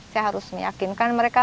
saya harus meyakinkan mereka